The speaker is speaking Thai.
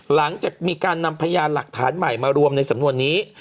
หลังจากมีการนำพยานหลักฐานใหม่มารวมในสำนวนนี้